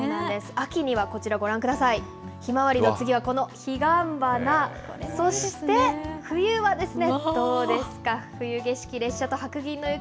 秋にはこちら、ご覧ください、ひまわりの次はこの彼岸花、そして、冬はどうですか、冬景色、列車と白銀の雪。